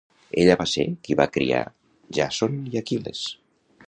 Ella va ser qui va criar Jàson i Aquil·les.